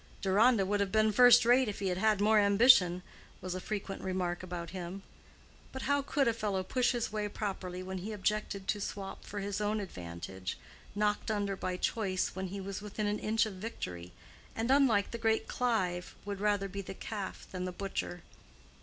"Deronda would have been first rate if he had had more ambition," was a frequent remark about him. But how could a fellow push his way properly when he objected to swop for his own advantage, knocked under by choice when he was within an inch of victory, and, unlike the great Clive, would rather be the calf than the butcher?